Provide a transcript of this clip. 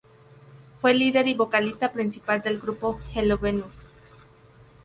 Fue líder y vocalista principal del grupo Hello Venus.